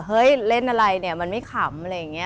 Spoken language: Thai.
เฮ้ยเหล่นอะไรมันไม่ขำอะไรอย่างงี้